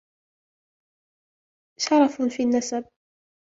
شرفٌ في النسبِ